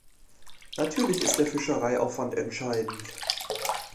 Natürlich ist der Fischereiaufwand entscheidend.